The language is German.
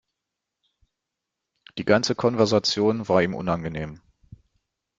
Die ganze Konversation war ihm unangenehm.